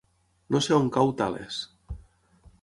No sé on cau Tales.